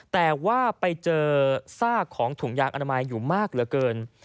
แต่ว่าไปเจอซากของถุงยางอนามัยอยู่มากเหลือเกิน